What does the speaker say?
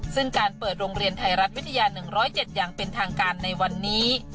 ซึ่งการเปิดโรงเรียนไทยรัฐวิทยา๑๐๗อย่างเป็นทางการในวันนี้